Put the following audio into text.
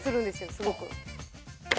すごく。